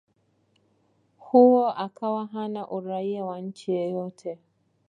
huo akawa hana Uraia wa nchi yoyote